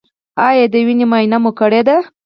ایا د وینې معاینه مو کړې ده؟